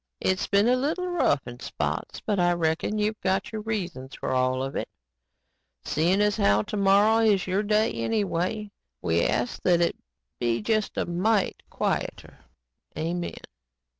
It's been a little rough in spots but I reckon You've got Your reasons for all of it. Seein' as how tomorrow is Your day anyway, we ask that it be just a mite quieter. Amen."